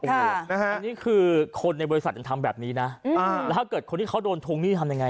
อันนี้คือคนในบริษัทยังทำแบบนี้นะแล้วถ้าเกิดคนที่เขาโดนทวงหนี้ทำยังไง